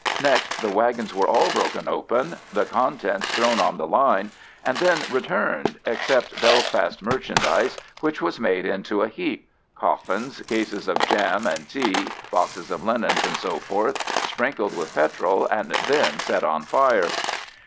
Next, the waggons were all broken open, the contents thrown on the line, and then returned except Belfast merchandise, which was made into a heap—coffins, cases of jam and tea, boxes of linen, &c.—sprinkled with petrol, and then set on fire.